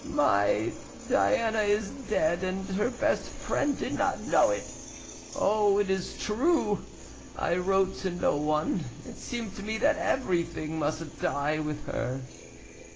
"My Diana is dead, and her best friend did not know it! Oh, it is true! I wrote to no one; it seemed to me that everything must die with her.